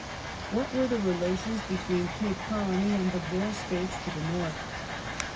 What were the relations between Cape Colony and the Boer British States to the north ?